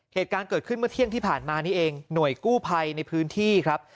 เหตุการณ์เกิดขึ้นเมื่อเที่ยงที่ผ่านมานี้เองหน่วยกู้ภัยในพื้นที่ครับ